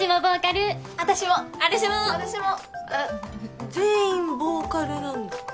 あ全員ボーカルなんだ。